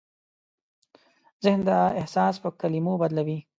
ذهن دا احساس په کلمو بدلوي.